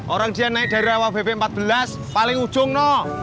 orang jia naik daerah wb empat belas paling ujung no